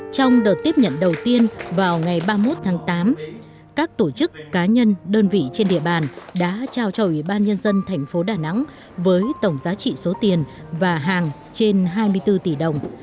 trong đợt tiếp nhận đầu tiên vào ngày ba mươi một tháng tám các tổ chức cá nhân đơn vị trên địa bàn đã trao cho ủy ban nhân dân thành phố đà nẵng với tổng giá trị số tiền và hàng trên hai mươi bốn tỷ đồng